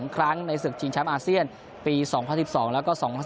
ครั้งในศึกชิงแชมป์อาเซียนปี๒๐๑๒แล้วก็๒๐๑๙